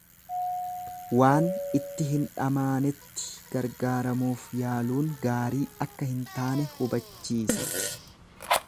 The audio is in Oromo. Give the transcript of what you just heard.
Waan itti hin dhamaanetti gargaaramuuf yaaluun gaarii akka hin taane hubachiisa.